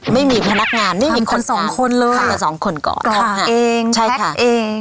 ไม่มีพนักงานไม่มีคนทำกันสองคนเลยค่ะสองคนก่อนค่ะใช่ค่ะใช่ค่ะ